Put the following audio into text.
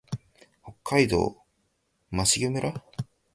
北海道増毛町